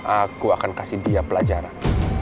aku akan kasih dia pelajaran